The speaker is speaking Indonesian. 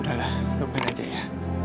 sudahlah lupain aja ya